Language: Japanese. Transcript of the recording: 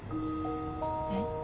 えっ？